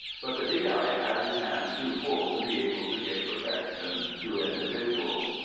But the D.I. had his hands too full to be able to give protection to individuals.